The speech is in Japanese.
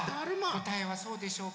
こたえはそうでしょうか？